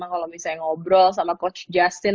kalau misalnya ngobrol sama coach justin